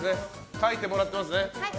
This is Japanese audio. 書いてもらってますね。